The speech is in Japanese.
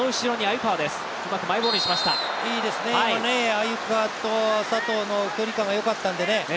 鮎川と佐藤の距離感がよかったんでね。